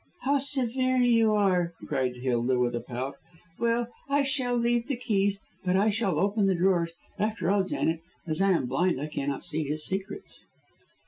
"How severe you are!" cried Hilda, with a pout. "Well, I shall leave the keys, but I shall open the drawers. After all, Janet, as I am blind I cannot see his secrets."